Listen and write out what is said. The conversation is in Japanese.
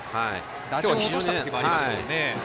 打順を落とした時もありましたね。